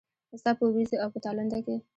ستا په ورېځو او په تالنده کې